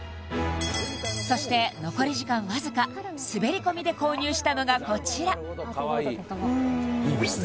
そして残り時間わずか滑り込みで購入したのがこちらいいですね